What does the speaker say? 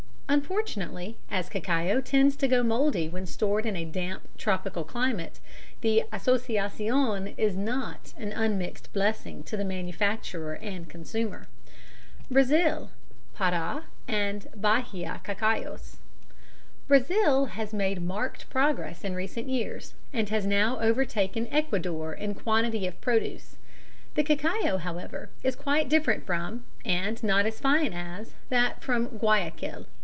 Unfortunately, as cacao tends to go mouldy when stored in a damp tropical climate, the Asociacion is not an unmixed blessing to the manufacturer and consumer. BRAZIL. Parâ and Bahia Cacaos. Brazil has made marked progress in recent years, and has now overtaken Ecuador in quantity of produce; the cacao, however, is quite different from, and not as fine as, that from Guayaquil.